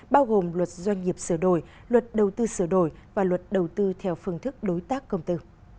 bao gồm luật doanh nghiệp sửa đổi luật đầu tư sửa đổi và luật đầu tư theo phương thức đối tác công tư